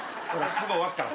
すぐ終わっから。